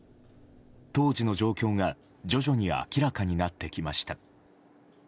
当時の状況が徐々に明らかになってきました。